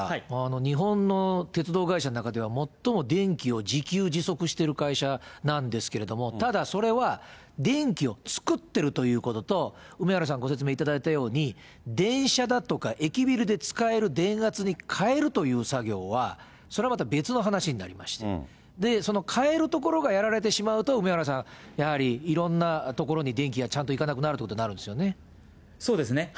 日本の鉄道会社の中では最も電気を自給自足している会社なんですけれども、ただそれは、電気を作ってるということと、梅原さんご説明いただいたように、電車だとか、駅ビルで使える電圧に変えるという作業は、それはまた別の話になりまして、その変える所がやられてしまうと、梅原さん、やはりいろんな所に電気がちゃんと行かなくなるってことになるんそうですね。